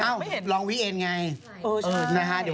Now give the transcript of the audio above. อ้าวลองวิเอ็นไงนะฮะเดี๋ยววันจันทร์หยุด